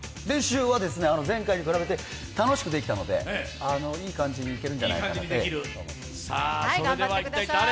練習は前回に比べて楽しくできたのでいい感じにいけるんじゃないかなと。